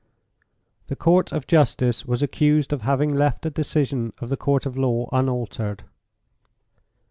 The Court of Justice was accused of having left a decision of the Court of Law unaltered.